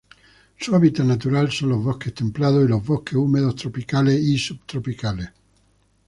Su hábitat natural son los bosques templados y los bosques húmedos tropicales y subtropicales.